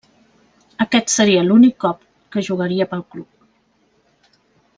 Aquest seria l'únic cop que jugaria pel club.